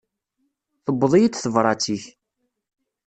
Tewweḍ-iyi-d tebṛat-ik.